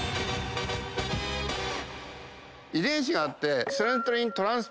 遺伝子があって。